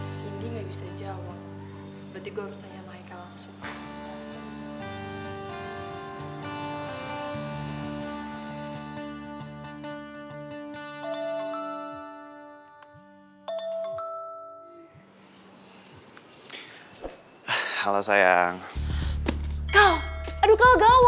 sien dia gak bisa jawab berarti gue harus tanya sama heikal langsung